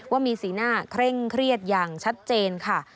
ว่ามีสีหน้าเคร่งเครียดอย่างชัดเจนค่ะ